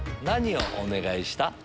何をお願いした？